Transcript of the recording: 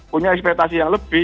punya ekspetasi yang lebih